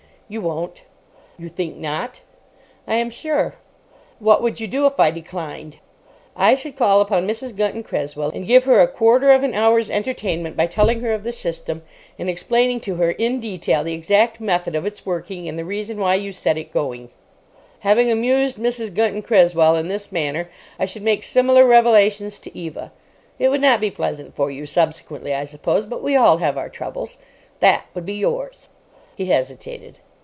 "You won't." "You think not?" "I am sure." "What would you do if I declined?" "I should call upon Mrs. Gunton Cresswell and give her a quarter of an hour's entertainment by telling her of the System, and explaining to her, in detail, the exact method of its working and the reason why you set it going. Having amused Mrs. Gunton Cresswell in this manner, I should make similar revelations to Eva. It would not be pleasant for you subsequently, I suppose, but we all have our troubles. That would be yours." He hesitated.